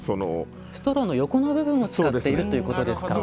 ストローの横の部分を使っているということですか。